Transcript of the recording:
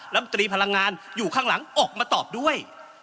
ลำตรีพลังงานอยู่ข้างหลังออกมาตอบด้วย